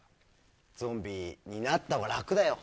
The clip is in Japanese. ゾンビになったほうが楽だよ。